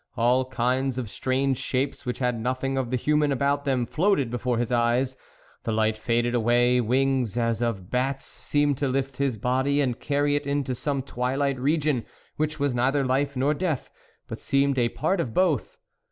All kinds of strange shapes, which had nothing of the human about them, floated before his eyes ; the light faded away ; wings as of bats seem ed to lift his body and carry it into some twilight region, which was neither life nor death, but seemed a part of both.